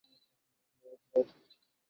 Graduation করিইনি তো করে নিন।